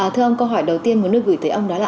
thưa ông câu hỏi đầu tiên muốn được gửi tới ông đó là